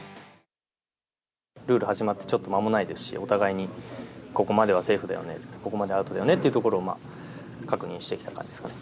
ルール始まってちょっと間もないですし、お互いにここまではセーフだよね、ここまでアウトだよねってところを、まあ、確認してきた感じですかね。